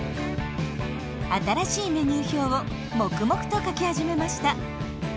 新しいメニュー表を黙々と書き始めました。